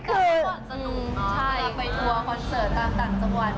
ก็ก่อนสนุกเวลาไปทัวร์คอนเสาร์ตามต่างจังหวัน